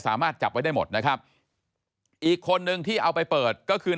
สามารถจับไว้ได้หมดนะครับอีกคนนึงที่เอาไปเปิดก็คือ